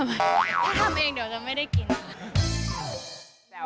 ทำเองเดี๋ยวจะไม่ได้กินค่ะ